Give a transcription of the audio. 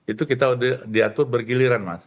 itu kita diatur bergiliran mas